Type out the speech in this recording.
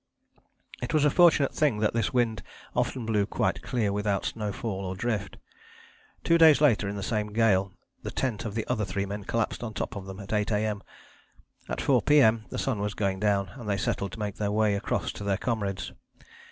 " It was a fortunate thing that this wind often blew quite clear without snowfall or drift. Two days later in the same gale the tent of the other three men collapsed on top of them at 8 A.M. At 4 P.M. the sun was going down and they settled to make their way across to their comrades.